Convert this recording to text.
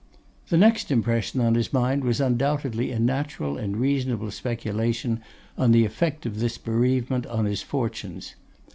The next impression on his mind was undoubtedly a natural and reasonable speculation on the effect of this bereavement on his fortunes.